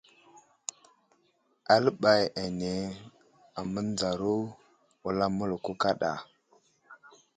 Aləɓay ane amənzaro wulam mələko kaɗa.